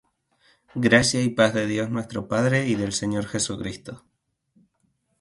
Gracia y paz de Dios nuestro Padre, y del Señor Jesucristo.